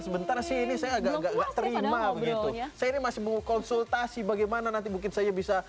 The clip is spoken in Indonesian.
sebentar sini saya agak terima begitu saya masih mau konsultasi bagaimana nanti mungkin saya bisa